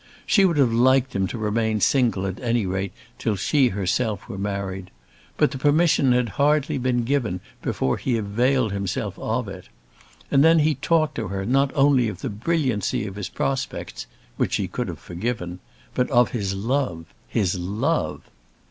She would have liked him to remain single at any rate till she herself were married. But the permission had been hardly given before he availed himself of it. And then he talked to her not only of the brilliancy of his prospects, which she could have forgiven, but of his love his love!